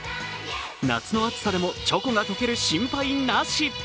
夏の暑さでもチョコが溶ける心配なし。